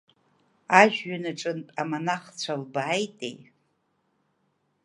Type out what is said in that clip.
Ажәҩан аҿынтә амонахцәа лбааитеи.